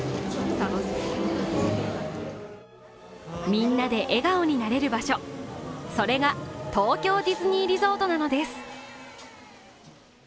みんなで笑顔になれる場所、それが東京ディズニーリゾートなのです。